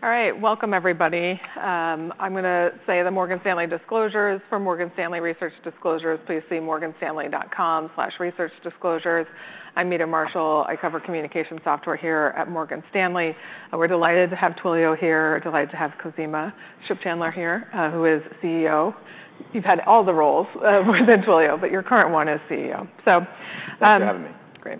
All right, welcome everybody. I'm going to say the Morgan Stanley disclosures for Morgan Stanley Research Disclosures. Please see morganstanley.com/researchdisclosures. I'm Meta Marshall. I cover communication software here at Morgan Stanley. We're delighted to have Twilio here, delighted to have Khozema Shipchandler here, who is CEO. You've had all the roles within Twilio, but your current one is CEO. Nice to have you. Great.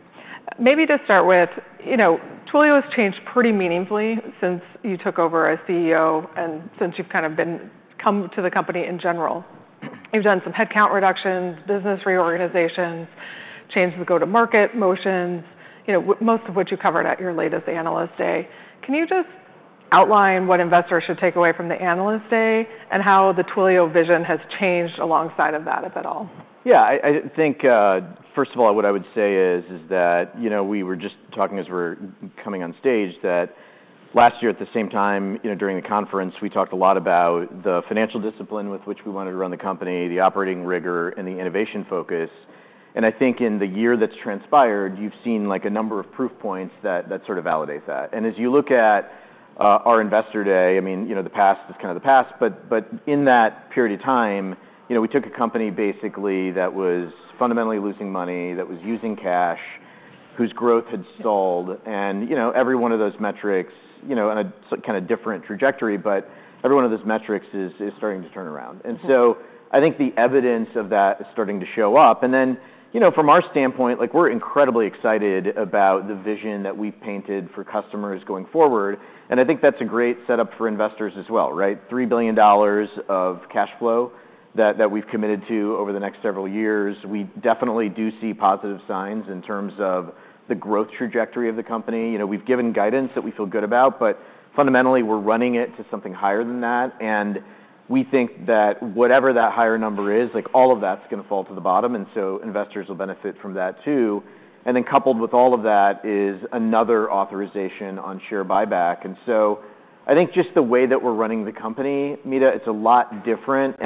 Maybe to start with, Twilio has changed pretty meaningfully since you took over as CEO and since you've kind of come to the company in general. You've done some headcount reductions, business reorganizations, changed the go-to-market motions, most of which you covered at your latest analyst day. Can you just outline what investors should take away from the Analyst Day and how the Twilio vision has changed alongside of that, if at all? Yeah, I think, first of all, what I would say is that we were just talking as we were coming on stage that last year, at the same time during the conference, we talked a lot about the financial discipline with which we wanted to run the company, the operating rigor, and the innovation focus. I think in the year that's transpired, you've seen a number of proof points that sort of validate that. as you look at our Investor Day, I mean, the past is kind of the past, but in that period of time, we took a company basically that was fundamentally losing money, that was using cash, whose growth had stalled. Every one of those metrics, on a kind of different trajectory, but every one of those metrics is starting to turn around. I think the evidence of that is starting to show up. Then from our standpoint, we're incredibly excited about the vision that we've painted for customers going forward. I think that's a great setup for investors as well, right? $3 billion of cash flow that we've committed to over the next several years. We definitely do see positive signs in terms of the growth trajectory of the company. We've given guidance that we feel good about, but fundamentally, we're running it to something higher than that. We think that whatever that higher number is, all of that's going to fall to the bottom. Investors will benefit from that too. Then coupled with all of that is another authorization on share buyback. I think just the way that we're running the company, Meta, it's a lot different.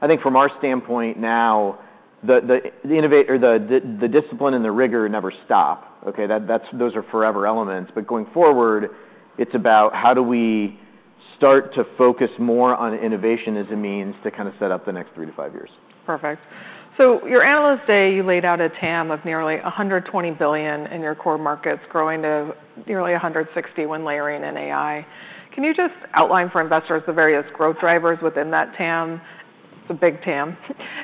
I think from our standpoint now, the discipline and the rigor never stop. Those are forever elements. Going forward, it's about how do we start to focus more on innovation as a means to kind of set up the next three to five years. Perfect, so your Analyst Day, you laid out a TAM of nearly $120 billion in your core markets, growing to nearly $160 billion when layering in AI. Can you just outline for investors the various growth drivers within that TAM? It's a big TAM,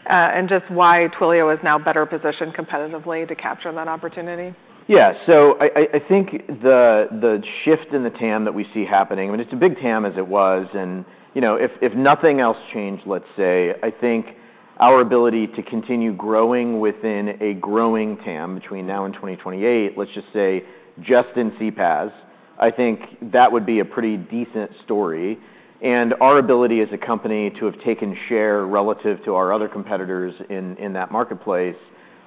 and just why Twilio is now better positioned competitively to capture that opportunity? Yeah, so I think the shift in the TAM that we see happening, I mean, it's a big TAM as it was. If nothing else changed, let's say, I think our ability to continue growing within a growing TAM between now and 2028, let's just say just in CPaaS, I think that would be a pretty decent story. Our ability as a company to have taken share relative to our other competitors in that marketplace,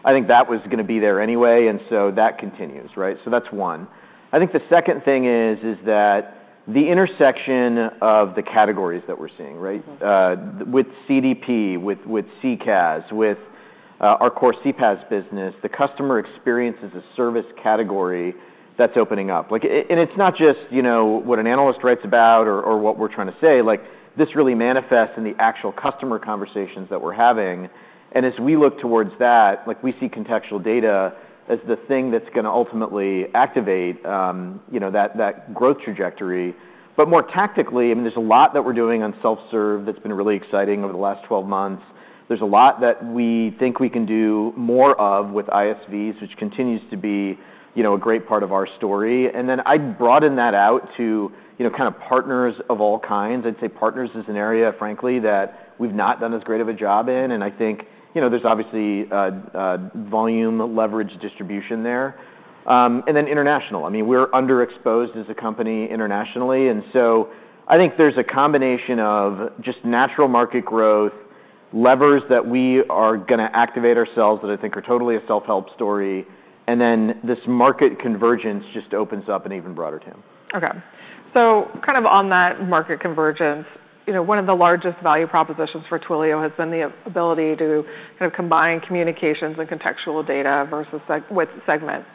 I think that was going to be there anyway. That continues, right? That's one. I think the second thing is that the intersection of the categories that we're seeing, right, with CDP, with CCaaS, with our core CPaaS business, the customer experience as a service category that's opening up. It's not just what an analyst writes about or what we're trying to say. This really manifests in the actual customer conversations that we're having, and as we look towards that, we see contextual data as the thing that's going to ultimately activate that growth trajectory, but more tactically, I mean, there's a lot that we're doing on self-serve that's been really exciting over the last 12 months, there's a lot that we think we can do more of with ISVs, which continues to be a great part of our story, and then I'd broaden that out to kind of partners of all kinds. I'd say partners is an area, frankly, that we've not done as great of a job in, and I think there's obviously volume leverage distribution there, and then international. I mean, we're underexposed as a company internationally. I think there's a combination of just natural market growth, levers that we are going to activate ourselves that I think are totally a self-help story. Then this market convergence just opens up an even broader TAM. Okay. Kind of on that market convergence, one of the largest value propositions for Twilio has been the ability to kind of combine communications and contextual data with Segment.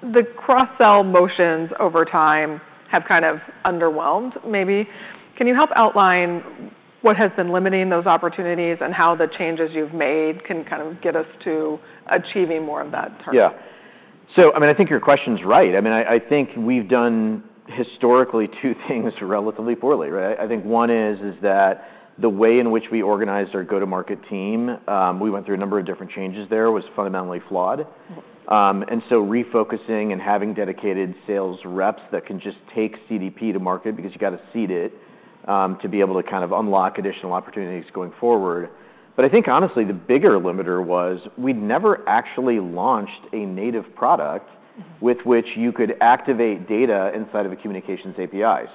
The cross-sell motions over time have kind of underwhelmed maybe. Can you help outline what has been limiting those opportunities and how the changes you've made can kind of get us to achieving more of that target? Yeah. I mean, I think your question's right. I mean, I think we've done historically two things relatively poorly, right? I think one is that the way in which we organized our go-to-market team, we went through a number of different changes there, was fundamentally flawed. Refocusing and having dedicated sales reps that can just take CDP to market because you've got to seed it to be able to kind of unlock additional opportunities going forward. But I think honestly the bigger limiter was we'd never actually launched a native product with which you could activate data inside of a communications API.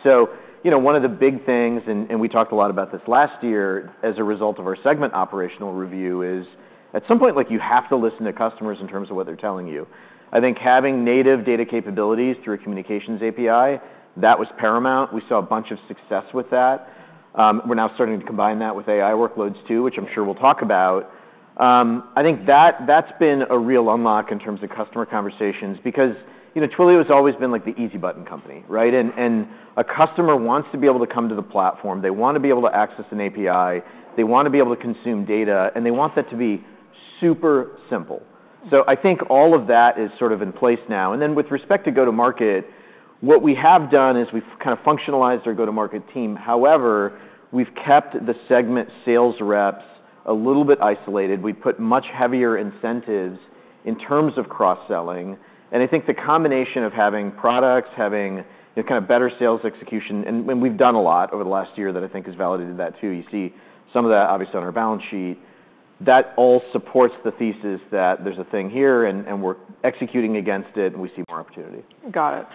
One of the big things, and we talked a lot about this last year as a result of our Segment operational review, is at some point you have to listen to customers in terms of what they're telling you. I think having native data capabilities through a communications API, that was paramount. We saw a bunch of success with that. We're now starting to combine that with AI workloads too, which I'm sure we'll talk about. I think that's been a real unlock in terms of customer conversations because Twilio has always been the easy button company, right? A customer wants to be able to come to the platform. They want to be able to access an API. They want to be able to consume data. They want that to be super simple. I think all of that is sort of in place now. Then with respect to go-to-market, what we have done is we've kind of functionalized our go-to-market team. However, we've kept the Segment sales reps a little bit isolated. We put much heavier incentives in terms of cross-selling. I think the combination of having products, having kind of better sales execution, and we've done a lot over the last year that I think has validated that too. You see some of that obviously on our balance sheet. That all supports the thesis that there's a thing here and we're executing against it and we see more opportunity. Got it.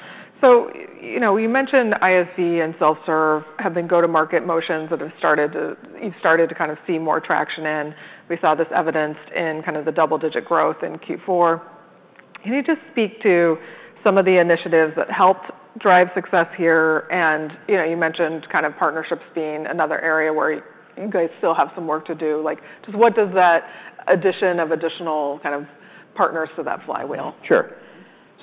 You mentioned ISV and self-serve have been go-to-market motions that have started to kind of see more traction in. We saw this evidenced in kind of the double-digit growth in Q4. Can you just speak to some of the initiatives that helped drive success here? You mentioned kind of partnerships being another area where you guys still have some work to do. Just what does that addition of additional kind of partners to that flywheel? Sure.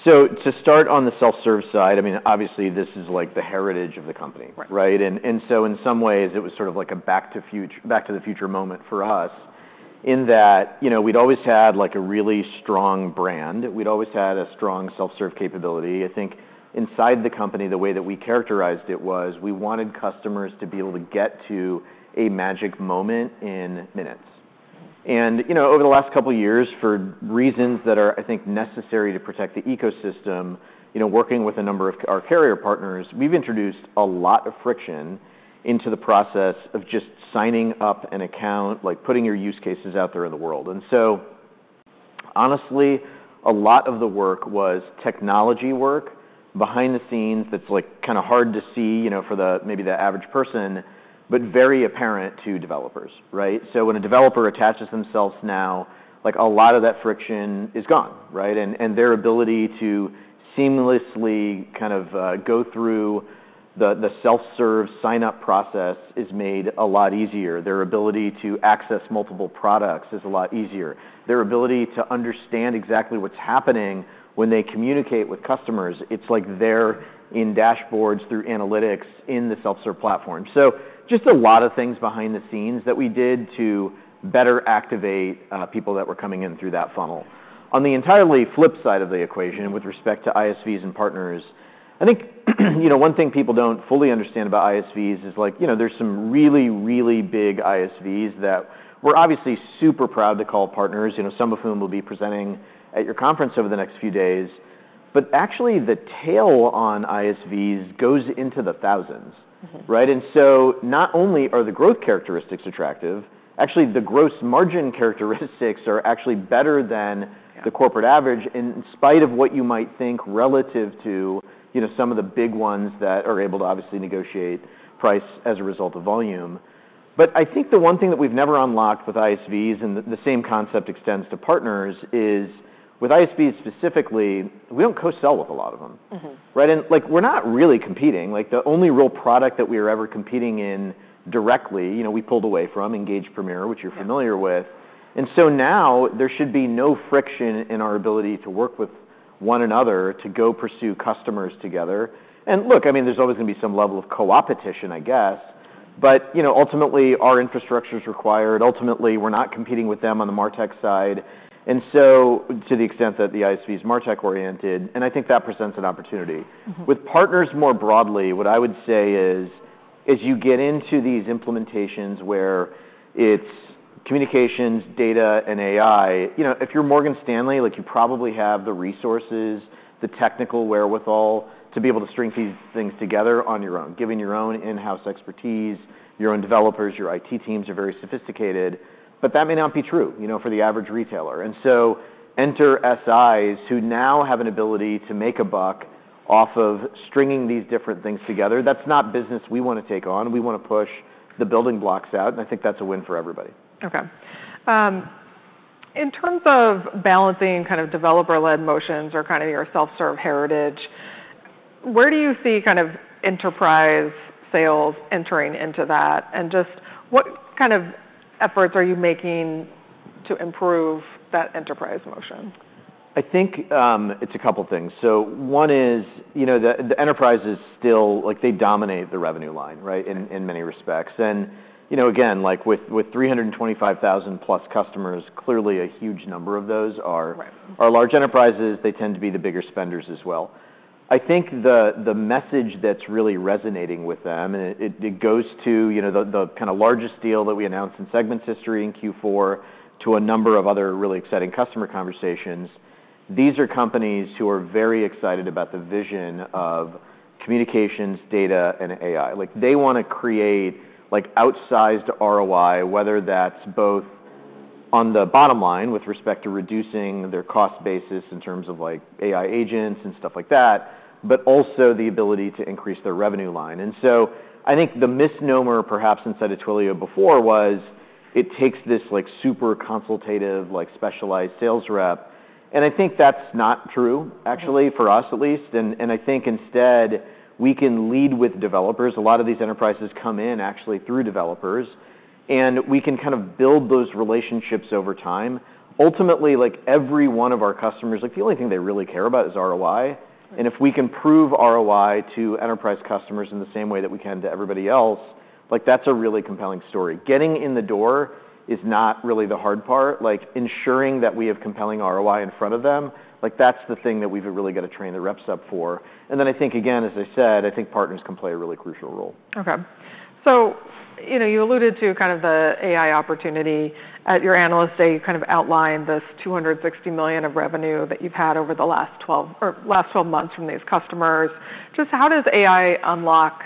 To start on the self-serve side, I mean, obviously this is like the heritage of the company, right? In some ways, it was sort of like a back to the future moment for us in that we'd always had a really strong brand. We'd always had a strong self-serve capability. I think inside the company, the way that we characterized it was we wanted customers to be able to get to a magic moment in minutes. Over the last couple of years, for reasons that are I think necessary to protect the ecosystem, working with a number of our carrier partners, we've introduced a lot of friction into the process of just signing up an account, putting your use cases out there in the world. Honestly, a lot of the work was technology work behind the scenes that's kind of hard to see for maybe the average person, but very apparent to developers, right? When a developer attaches themselves now, a lot of that friction is gone, right? Their ability to seamlessly kind of go through the self-serve sign-up process is made a lot easier. Their ability to access multiple products is a lot easier. Their ability to understand exactly what's happening when they communicate with customers, it's like they're in dashboards through analytics in the self-serve platform. Just a lot of things behind the scenes that we did to better activate people that were coming in through that funnel. On the entirely flip side of the equation with respect to ISVs and partners, I think one thing people don't fully understand about ISVs is there's some really, really big ISVs that we're obviously super proud to call partners, some of whom will be presenting at your conference over the next few days. But actually, the tail on ISVs goes into the thousands, right? Not only are the growth characteristics attractive, actually the gross margin characteristics are actually better than the corporate average in spite of what you might think relative to some of the big ones that are able to obviously negotiate price as a result of volume. But I think the one thing that we've never unlocked with ISVs, and the same concept extends to partners, is with ISVs specifically, we don't co-sell with a lot of them, right? We're not really competing. The only real product that we are ever competing in directly, we pulled away from Engage Premier, which you're familiar with. Now there should be no friction in our ability to work with one another to go pursue customers together. Look, I mean, there's always going to be some level of co-opetition, I guess. But ultimately, our infrastructure is required. Ultimately, we're not competing with them on the MarTech side. To the extent that the ISV is MarTech oriented, and I think that presents an opportunity. With partners more broadly, what I would say is as you get into these implementations where it's communications, data, and AI, if you're Morgan Stanley, you probably have the resources, the technical wherewithal to be able to string these things together on your own, given your own in-house expertise, your own developers, your IT teams are very sophisticated, but that may not be true for the average retailer. Enter SIs who now have an ability to make a buck off of stringing these different things together. That's not business we want to take on. We want to push the building blocks out. I think that's a win for everybody. Okay. In terms of balancing kind of developer-led motions or kind of your self-serve heritage, where do you see kind of enterprise sales entering into that? Just what kind of efforts are you making to improve that enterprise motion? I think it's a couple of things. One is the enterprises still, they dominate the revenue line, right, in many respects. Again, with 325,000 plus customers, clearly a huge number of those are large enterprises. They tend to be the bigger spenders as well. I think the message that's really resonating with them, and it goes to the kind of largest deal that we announced in Segment's history in Q4 to a number of other really exciting customer conversations. These are companies who are very excited about the vision of communications, data, and AI. They want to create outsized ROI, whether that's both on the bottom line with respect to reducing their cost basis in terms of AI agents and stuff like that, but also the ability to increase their revenue line. I think the misnomer perhaps inside of Twilio before was it takes this super consultative, specialized sales rep. I think that's not true, actually, for us at least. I think instead we can lead with developers. A lot of these enterprises come in actually through developers. We can kind of build those relationships over time. Ultimately, every one of our customers, the only thing they really care about is ROI. If we can prove ROI to enterprise customers in the same way that we can to everybody else, that's a really compelling story. Getting in the door is not really the hard part. Ensuring that we have compelling ROI in front of them, that's the thing that we've really got to train the reps up for. Then I think, again, as I said, I think partners can play a really crucial role. Okay. You alluded to kind of the AI opportunity. At your analyst day, you kind of outlined this $260 million of revenue that you've had over the last 12 months from these customers. Just how does AI unlock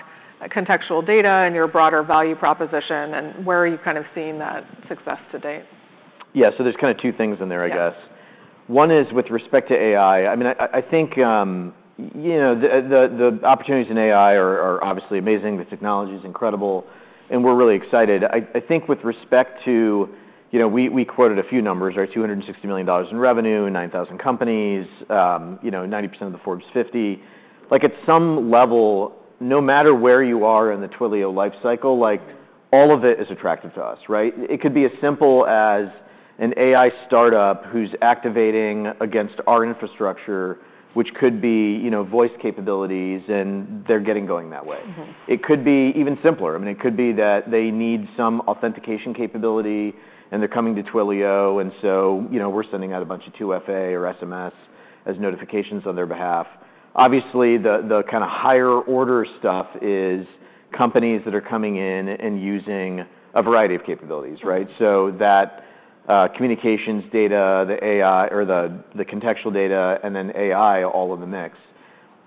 contextual data and your broader value proposition? Where are you kind of seeing that success to date? Yeah. There's kind of two things in there, I guess. One is with respect to AI. I mean, I think the opportunities in AI are obviously amazing. The technology is incredible. We're really excited. I think with respect to we quoted a few numbers, right? $260 million in revenue, 9,000 companies, 90% of the Fortune 50. At some level, no matter where you are in the Twilio life cycle, all of it is attractive to us, right? It could be as simple as an AI startup who's activating against our infrastructure, which could be voice capabilities, and they're getting going that way. It could be even simpler. I mean, it could be that they need some authentication capability, and they're coming to Twilio. We're sending out a bunch of 2FA or SMS as notifications on their behalf. Obviously, the kind of higher order stuff is companies that are coming in and using a variety of capabilities, right? That communications data, the AI or the contextual data, and then AI all in the mix.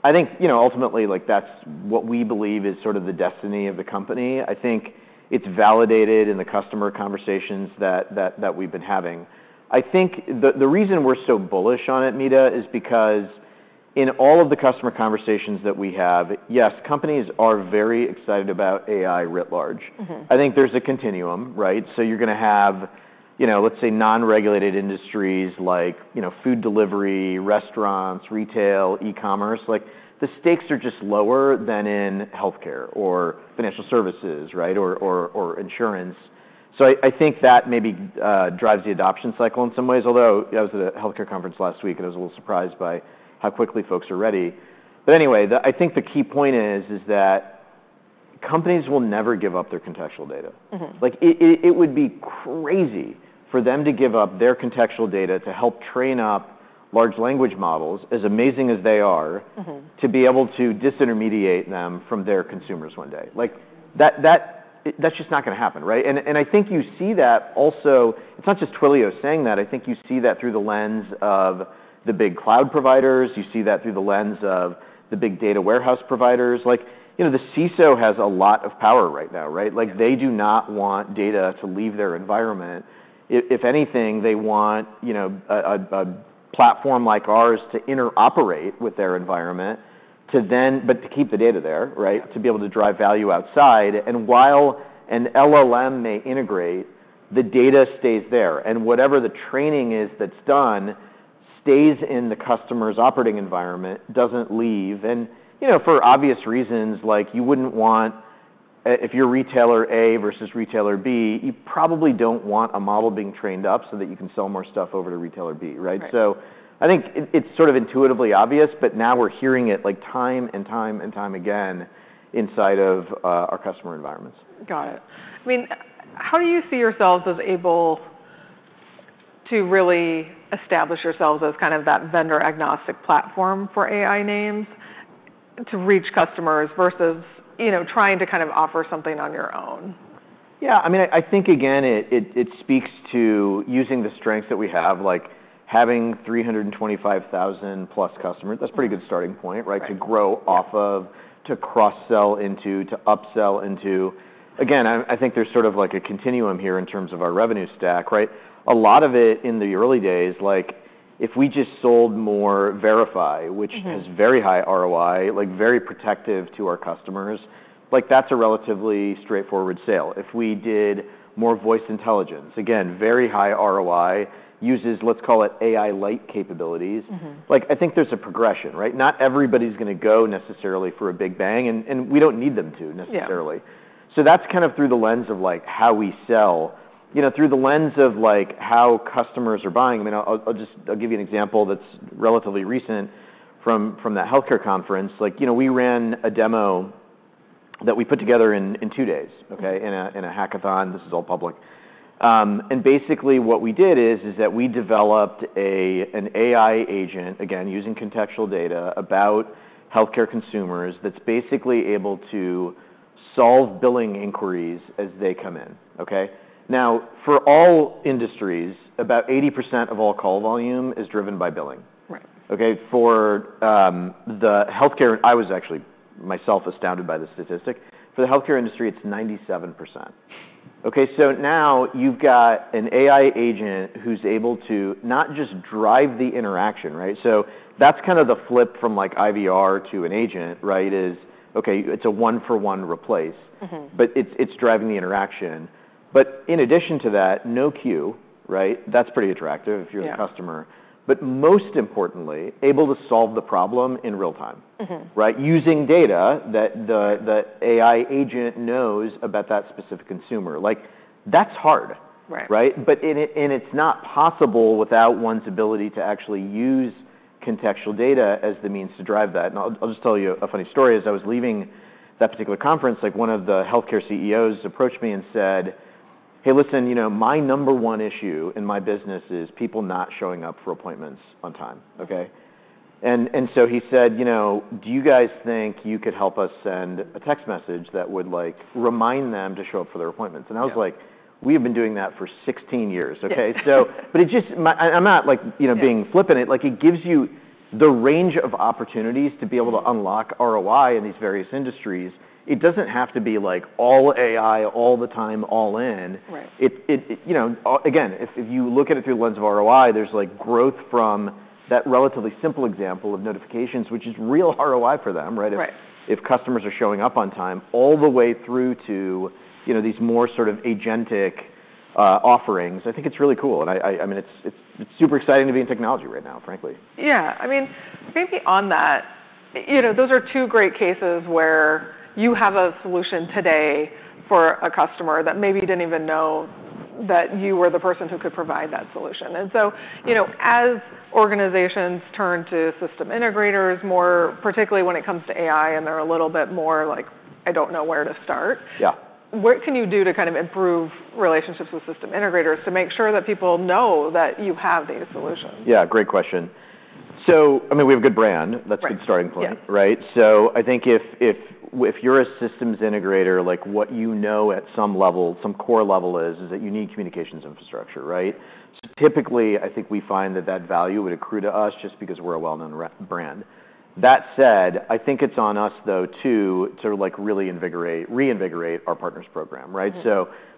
I think ultimately that's what we believe is sort of the destiny of the company. I think it's validated in the customer conversations that we've been having. I think the reason we're so bullish on it, Meta, is because in all of the customer conversations that we have, yes, companies are very excited about AI writ large. I think there's a continuum, right? You're going to have, let's say, non-regulated industries like food delivery, restaurants, retail, e-commerce. The stakes are just lower than in healthcare or financial services, right, or insurance. I think that maybe drives the adoption cycle in some ways. Although I was at a healthcare conference last week, and I was a little surprised by how quickly folks are ready, but anyway, I think the key point is that companies will never give up their contextual data. It would be crazy for them to give up their contextual data to help train up large language models, as amazing as they are, to be able to disintermediate them from their consumers one day. That's just not going to happen, right, and I think you see that also. It's not just Twilio saying that. I think you see that through the lens of the big cloud providers. You see that through the lens of the big data warehouse providers. The CISO has a lot of power right now, right? They do not want data to leave their environment. If anything, they want a platform like ours to interoperate with their environment, but to keep the data there, right, to be able to drive value outside. While an LLM may integrate, the data stays there. Whatever the training is that's done stays in the customer's operating environment, doesn't leave. For obvious reasons, you wouldn't want if you're retailer A versus retailer B, you probably don't want a model being trained up so that you can sell more stuff over to retailer B, right? I think it's sort of intuitively obvious, but now we're hearing it time and time and time again inside of our customer environments. Got it. I mean, how do you see yourselves as able to really establish yourselves as kind of that vendor-agnostic platform for AI names to reach customers versus trying to kind of offer something on your own? Yeah. I mean, I think, again, it speaks to using the strengths that we have, having 325,000 plus customers. That's a pretty good starting point, right, to grow off of, to cross-sell into, to upsell into. Again, I think there's sort of a continuum here in terms of our revenue stack, right? A lot of it in the early days, if we just sold more Verify, which has very high ROI, very protective to our customers, that's a relatively straightforward sale. If we did more Voice Intelligence, again, very high ROI, uses, let's call it AI light capabilities, I think there's a progression, right? Not everybody's going to go necessarily for a big bang, and we don't need them to necessarily. That's kind of through the lens of how we sell, through the lens of how customers are buying. I mean, I'll give you an example that's relatively recent from that healthcare conference. We ran a demo that we put together in two days, okay, in a hackathon. This is all public, and basically what we did is that we developed an AI agent, again, using contextual data about healthcare consumers that's basically able to solve billing inquiries as they come in, okay? Now, for all industries, about 80% of all call volume is driven by billing. For the healthcare, I was actually myself astounded by the statistic. For the healthcare industry, it's 97%. Okay, so now you've got an AI agent who's able to not just drive the interaction, right? That's kind of the flip from IVR to an agent, right, is, okay, it's a one-for-one replace, but it's driving the interaction. But in addition to that, no queue, right? That's pretty attractive if you're a customer. But most importantly, able to solve the problem in real time, right, using data that the AI agent knows about that specific consumer. That's hard, right? It's not possible without one's ability to actually use contextual data as the means to drive that. And I'll just tell you a funny story. As I was leaving that particular conference, one of the healthcare CEOs approached me and said, "Hey, listen, my number one issue in my business is people not showing up for appointments on time, okay?" He said, "Do you guys think you could help us send a text message that would remind them to show up for their appointments?" I was like, "We have been doing that for 16 years, okay?" But I'm not being flippant. It gives you the range of opportunities to be able to unlock ROI in these various industries. It doesn't have to be all AI, all the time, all in. Again, if you look at it through the lens of ROI, there's growth from that relatively simple example of notifications, which is real ROI for them, right? If customers are showing up on time, all the way through to these more sort of agentic offerings, I think it's really cool, and I mean, it's super exciting to be in technology right now, frankly. Yeah. I mean, maybe on that, those are two great cases where you have a solution today for a customer that maybe didn't even know that you were the person who could provide that solution. As organizations turn to system integrators, particularly when it comes to AI and they're a little bit more like, "I don't know where to start," what can you do to kind of improve relationships with system integrators to make sure that people know that you have these solutions? Yeah. Great question. I mean, we have a good brand. That's a good starting point, right? I think if you're a systems integrator, what you know at some level, some core level is that you need communications infrastructure, right? Typically, I think we find that that value would accrue to us just because we're a well-known brand. That said, I think it's on us, though, to really reinvigorate our partners program, right?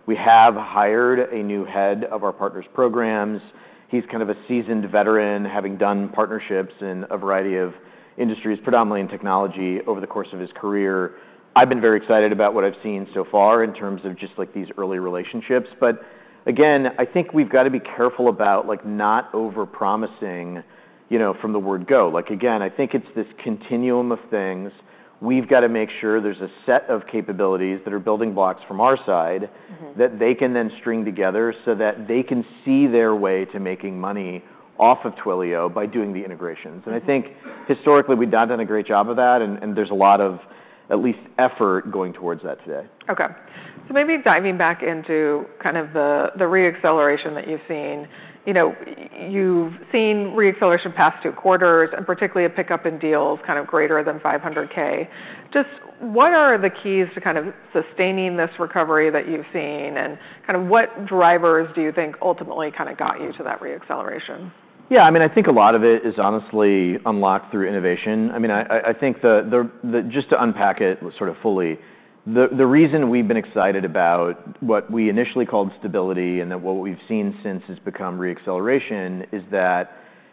We have hired a new head of our partners programs. He's kind of a seasoned veteran, having done partnerships in a variety of industries, predominantly in technology, over the course of his career. I've been very excited about what I've seen so far in terms of just these early relationships. But again, I think we've got to be careful about not overpromising from the word go. Again, I think it's this continuum of things. We've got to make sure there's a set of capabilities that are building blocks from our side that they can then string together so that they can see their way to making money off of Twilio by doing the integrations. I think historically, we've not done a great job of that, and there's a lot of at least effort going towards that today. Okay, so maybe diving back into kind of the reacceleration that you've seen, you've seen reacceleration past two quarters, and particularly a pickup in deals kind of greater than $500K. Just what are the keys to kind of sustaining this recovery that you've seen, and kind of what drivers do you think ultimately kind of got you to that reacceleration? Yeah. I mean, I think a lot of it is honestly unlocked through innovation. I mean, I think just to unpack it sort of fully, the reason we've been excited about what we initially called stability and then what we've seen since has become reacceleration is that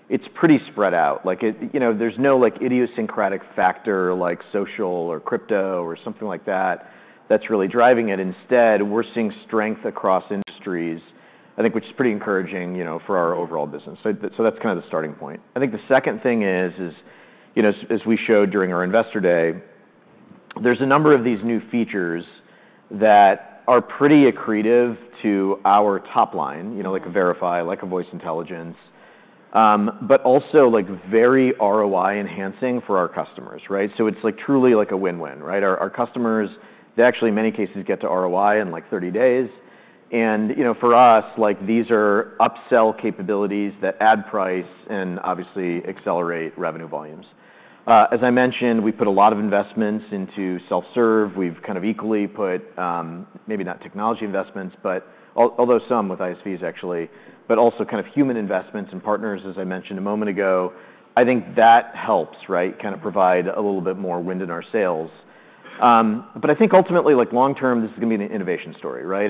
it's pretty spread out. There's no idiosyncratic factor like social or crypto or something like that that's really driving it. Instead, we're seeing strength across industries, I think, which is pretty encouraging for our overall business. That's kind of the starting point. I think the second thing is, as we showed during our investor day, there's a number of these new features that are pretty accretive to our top line, like a Verify, like a Voice Intelligence, but also very ROI enhancing for our customers, right? It's truly like a win-win, right? Our customers, they actually in many cases get to ROI in like 30 days. For us, these are upsell capabilities that add price and obviously accelerate revenue volumes. As I mentioned, we put a lot of investments into self-serve. We've kind of equally put maybe not technology investments, although some with ISVs actually, but also kind of human investments and partners, as I mentioned a moment ago. I think that helps, right, kind of provide a little bit more wind in our sails. But I think ultimately, long term, this is going to be an innovation story, right?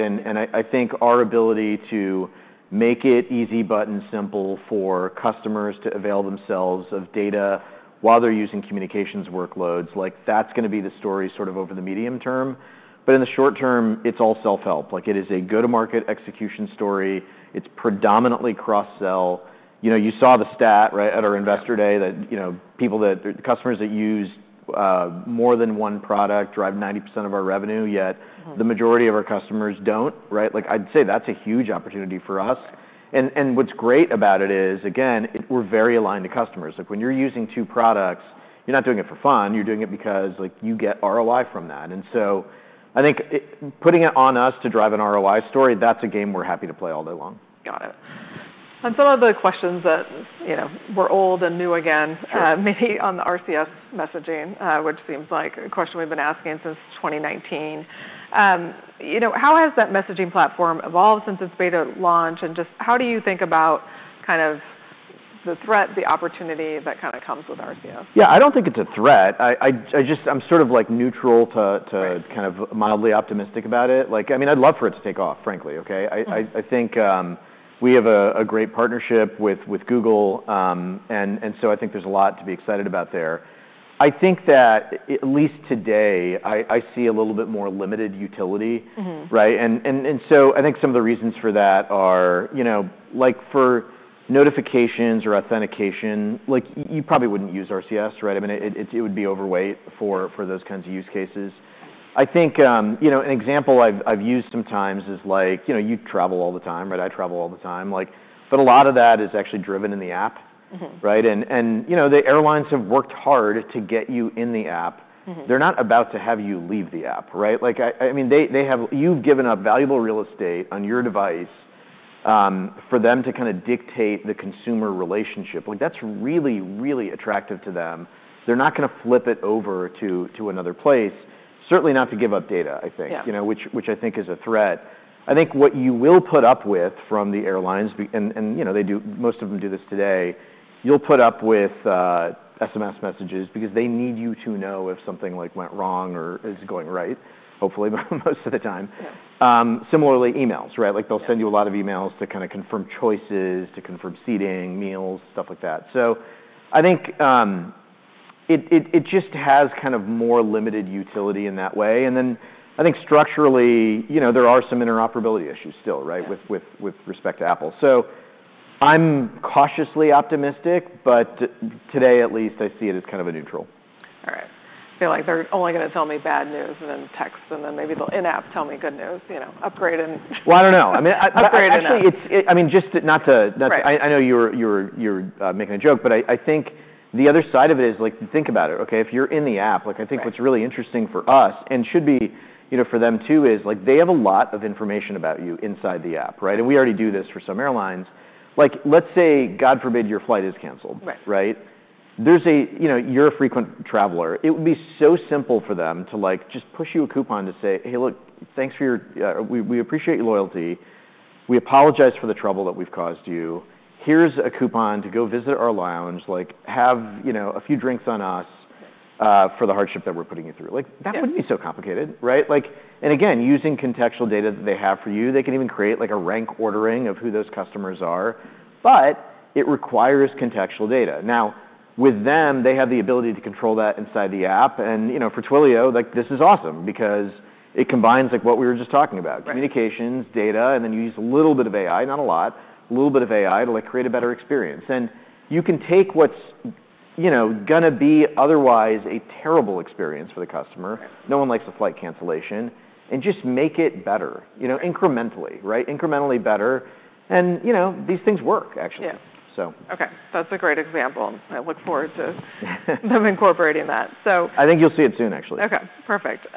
I think our ability to make it easy, button simple for customers to avail themselves of data while they're using communications workloads, that's going to be the story sort of over the medium term. But in the short term, it's all self-help. It is a go-to-market execution story. It's predominantly cross-sell. You saw the stat, right, at our investor day that customers that use more than one product drive 90% of our revenue, yet the majority of our customers don't, right? I'd say that's a huge opportunity for us. What's great about it is, again, we're very aligned to customers. When you're using two products, you're not doing it for fun. You're doing it because you get ROI from that. I think putting it on us to drive an ROI story. That's a game we're happy to play all day long. Got it. Some of the questions that were old and new again, maybe on the RCS messaging, which seems like a question we've been asking since 2019. How has that messaging platform evolved since its beta launch? Just how do you think about kind of the threat, the opportunity that kind of comes with RCS? Yeah. I don't think it's a threat. I'm sort of neutral to kind of mildly optimistic about it. I mean, I'd love for it to take off, frankly, okay? I think we have a great partnership with Google, and so I think there's a lot to be excited about there. I think that at least today, I see a little bit more limited utility, right? I think some of the reasons for that are for notifications or authentication, you probably wouldn't use RCS, right? I mean, it would be overweight for those kinds of use cases. I think an example I've used sometimes is you travel all the time, right? I travel all the time. But a lot of that is actually driven in the app, right? The airlines have worked hard to get you in the app. They're not about to have you leave the app, right? I mean, you've given up valuable real estate on your device for them to kind of dictate the consumer relationship. That's really, really attractive to them. They're not going to flip it over to another place, certainly not to give up data, I think, which I think is a threat. I think what you will put up with from the airlines, and most of them do this today, you'll put up with SMS messages because they need you to know if something went wrong or is going right, hopefully most of the time. Similarly, emails, right? They'll send you a lot of emails to kind of confirm choices, to confirm seating, meals, stuff like that. I think it just has kind of more limited utility in that way. Then I think structurally, there are some interoperability issues still, right, with respect to Apple. I'm cautiously optimistic, but today, at least, I see it as kind of a neutral. All right. I feel like they're only going to tell me bad news and then text, and then maybe the in-app tell me good news, upgrade and. Well, I don't know. I mean, actually, I mean, just not to. I know you're making a joke, but I think the other side of it is, think about it, okay? If you're in the app, I think what's really interesting for us and should be for them too is they have a lot of information about you inside the app, right? We already do this for some airlines. Let's say, God forbid, your flight is canceled, right? You're a frequent traveler. It would be so simple for them to just push you a coupon to say, "Hey, look, thanks for your. We appreciate your loyalty. We apologize for the trouble that we've caused you. Here's a coupon to go visit our lounge. Have a few drinks on us for the hardship that we're putting you through." That wouldn't be so complicated, right? Again, using contextual data that they have for you, they can even create a rank ordering of who those customers are, but it requires contextual data. Now, with them, they have the ability to control that inside the app. For Twilio, this is awesome because it combines what we were just talking about, communications, data, and then you use a little bit of AI, not a lot, a little bit of AI to create a better experience. You can take what's going to be otherwise a terrible experience for the customer. No one likes a flight cancellation, and just make it better incrementally, right? Incrementally better. These things work, actually. Yeah. Okay. That's a great example. I look forward to them incorporating that, so. I think you'll see it soon, actually. Okay. Perfect.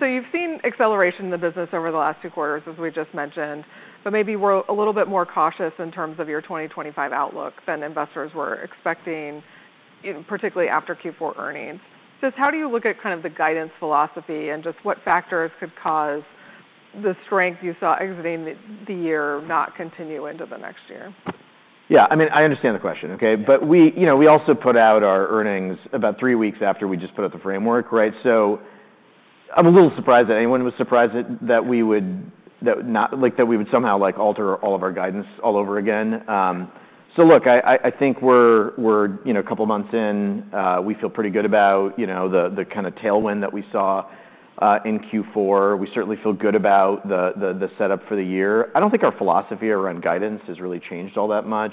You've seen acceleration in the business over the last two quarters, as we just mentioned, but maybe we're a little bit more cautious in terms of your 2025 outlook than investors were expecting, particularly after Q4 earnings. Just how do you look at kind of the guidance philosophy and just what factors could cause the strength you saw exiting the year not continue into the next year? Yeah. I mean, I understand the question, okay? But we also put out our earnings about three weeks after we just put out the framework, right? I'm a little surprised that anyone was surprised that we would somehow alter all of our guidance all over again. Look, I think we're a couple of months in. We feel pretty good about the kind of tailwind that we saw in Q4. We certainly feel good about the setup for the year. I don't think our philosophy around guidance has really changed all that much.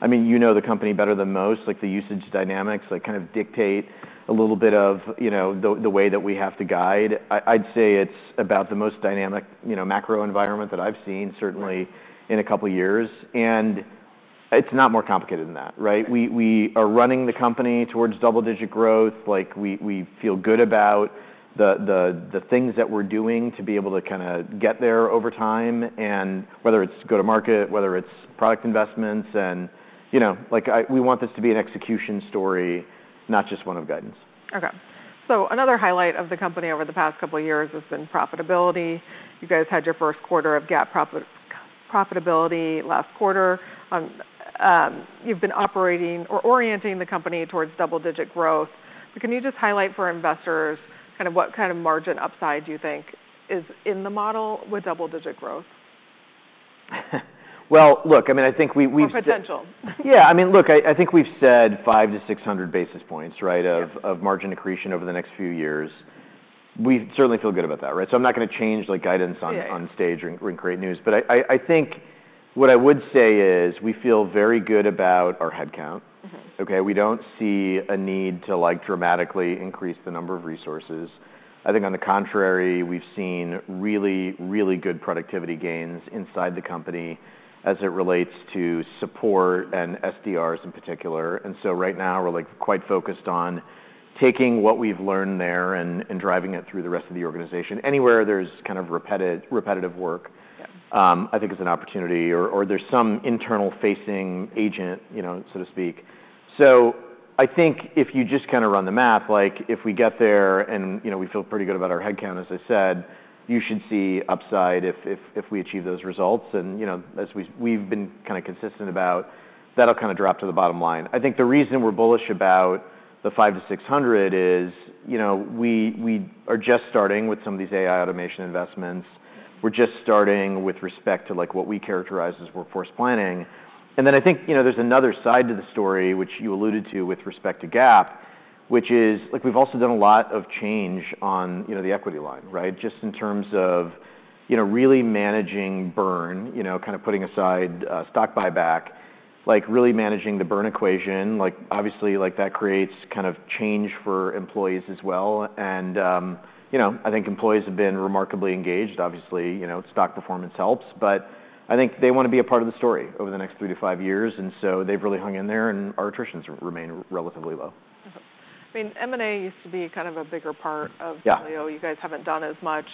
I mean, you know the company better than most. The usage dynamics kind of dictate a little bit of the way that we have to guide. I'd say it's about the most dynamic macro environment that I've seen, certainly in a couple of years, and it's not more complicated than that, right? We are running the company towards double-digit growth. We feel good about the things that we're doing to be able to kind of get there over time, whether it's go-to-market, whether it's product investments, and we want this to be an execution story, not just one of guidance. Okay. Another highlight of the company over the past couple of years has been profitability. You guys had your first quarter of GAAP profitability last quarter. You've been operating or orienting the company towards double-digit growth. But can you just highlight for investors kind of what kind of margin upside you think is in the model with double-digit growth? Well, look, I mean, I think we've. More potential. Yeah. I mean, look, I think we've said five to 600 basis points, right, of margin accretion over the next few years. We certainly feel good about that, right? I'm not going to change guidance on stage or create news. But I think what I would say is we feel very good about our headcount. Okay? We don't see a need to dramatically increase the number of resources. I think on the contrary, we've seen really, really good productivity gains inside the company as it relates to support and SDRs in particular. Right now, we're quite focused on taking what we've learned there and driving it through the rest of the organization. Anywhere there's kind of repetitive work, I think it's an opportunity, or there's some internal-facing agent, so to speak. I think if you just kind of run the math, if we get there and we feel pretty good about our headcount, as I said, you should see upside if we achieve those results. As we've been kind of consistent about, that'll kind of drop to the bottom line. I think the reason we're bullish about the 5 to 600 is we are just starting with some of these AI automation investments. We're just starting with respect to what we characterize as workforce planning. Then I think there's another side to the story, which you alluded to with respect to GAAP, which is we've also done a lot of change on the equity line, right? Just in terms of really managing burn, kind of putting aside stock buyback, really managing the burn equation. Obviously, that creates kind of change for employees as well. I think employees have been remarkably engaged. Obviously, stock performance helps, but I think they want to be a part of the story over the next three to five years. They've really hung in there, and our attritions remain relatively low. I mean, M&A used to be kind of a bigger part of Twilio. You guys haven't done as much.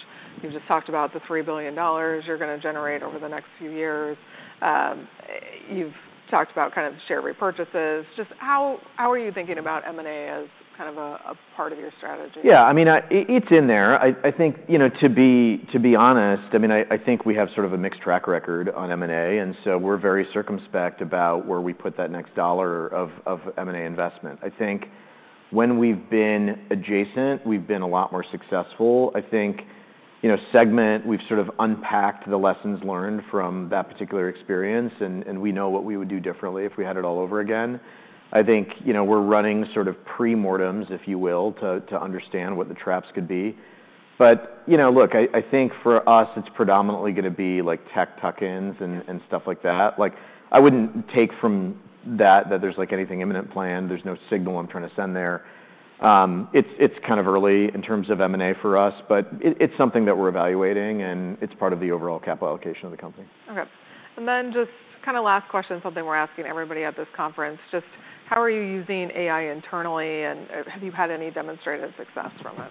You've just talked about the $3 billion you're going to generate over the next few years. You've talked about kind of share repurchases. Just how are you thinking about M&A as kind of a part of your strategy? Yeah. I mean, it's in there. I think to be honest, I mean, I think we have sort of a mixed track record on M&A. We're very circumspect about where we put that next dollar of M&A investment. I think when we've been adjacent, we've been a lot more successful. I think Segment, we've sort of unpacked the lessons learned from that particular experience, and we know what we would do differently if we had it all over again. I think we're running sort of pre-mortems, if you will, to understand what the traps could be. But look, I think for us, it's predominantly going to be tech tuck-ins and stuff like that. I wouldn't take from that that there's anything imminent planned. There's no signal I'm trying to send there. It's kind of early in terms of M&A for us, but it's something that we're evaluating, and it's part of the overall capital allocation of the company. Okay. Then just kind of last question, something we're asking everybody at this conference. Just how are you using AI internally, and have you had any demonstrated success from it?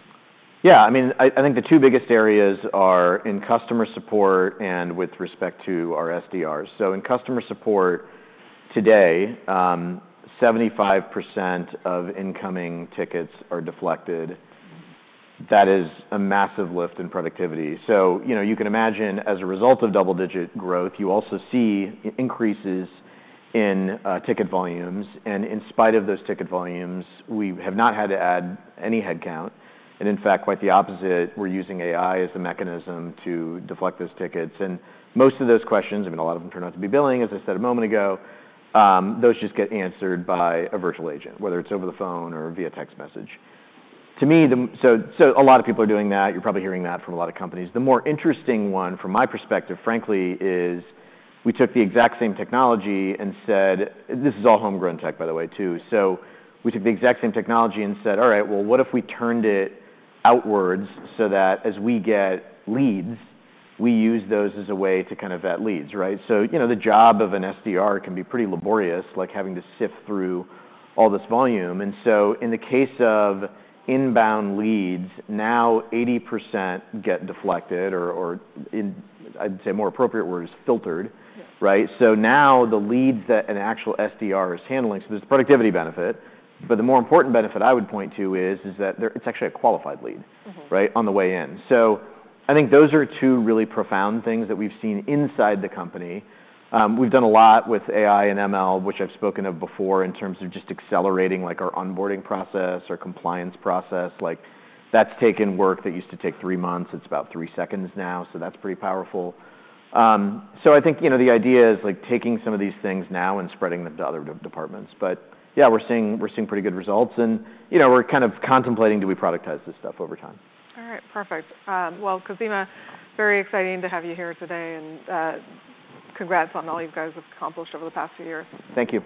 Yeah. I mean, I think the two biggest areas are in customer support and with respect to our SDRs, so in customer support today, 75% of incoming tickets are deflected. That is a massive lift in productivity, so you can imagine, as a result of double-digit growth, you also see increases in ticket volumes, and in spite of those ticket volumes, we have not had to add any headcount, and in fact, quite the opposite. We're using AI as a mechanism to deflect those tickets, and most of those questions, I mean, a lot of them turn out to be billing, as I said a moment ago, those just get answered by a virtual agent, whether it's over the phone or via text message, so a lot of people are doing that. You're probably hearing that from a lot of companies. The more interesting one, from my perspective, frankly, is we took the exact same technology and said this is all homegrown tech, by the way, too. We took the exact same technology and said, "All right, well, what if we turned it outwards so that as we get leads, we use those as a way to kind of vet leads," right? The job of an SDR can be pretty laborious, like having to sift through all this volume. In the case of inbound leads, now 80% get deflected or, I'd say more appropriate words, filtered, right? Now the leads that an actual SDR is handling, so there's a productivity benefit. But the more important benefit I would point to is that it's actually a qualified lead, right, on the way in. I think those are two really profound things that we've seen inside the company. We've done a lot with AI and ML, which I've spoken of before in terms of just accelerating our onboarding process, our compliance process. That's taken work that used to take three months. It's about three seconds now. That's pretty powerful. I think the idea is taking some of these things now and spreading them to other departments. But yeah, we're seeing pretty good results. We're kind of contemplating do we productize this stuff over time. All right. Perfect, well, Khozema Shipchandler, very exciting to have you here today, and congrats on all you guys have accomplished over the past few years. Thank you.